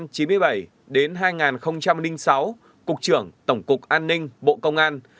từ một nghìn chín trăm chín mươi ba đến một nghìn chín trăm chín mươi bảy phó cục trưởng tổng cục an ninh bộ công an